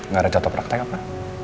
gak ada contoh praktek apa